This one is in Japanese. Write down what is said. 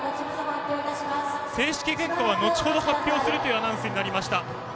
正式結果は後程、発表するというアナウンスになりました。